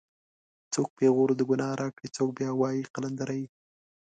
څوک پېغور د گناه راکړي څوک بیا وایي قلندرې